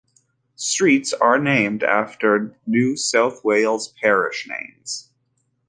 Streets are named after New South Wales parish names.